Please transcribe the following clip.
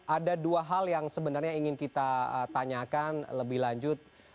ada dua hal yang sebenarnya ingin kita tanyakan lebih lanjut